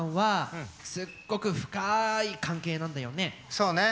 そうね。